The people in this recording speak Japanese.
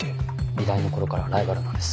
医大の頃からライバルなんです。